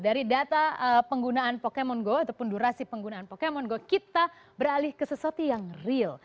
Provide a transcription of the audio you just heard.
dari data penggunaan pokemon go ataupun durasi penggunaan pokemon go kita beralih ke sesuatu yang real